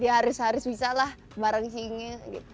harus harus bisa lah bareng si inge